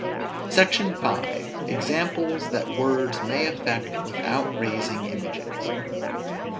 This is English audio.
SECTION V. EXAMPLES THAT WORDS MAY AFFECT WITHOUT RAISING IMAGES.